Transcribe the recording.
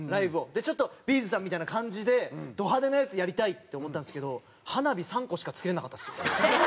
でちょっとＢ’ｚさんみたいな感じでド派手なやつやりたいって思ったんですけど花火３個しかつけれなかったですよ。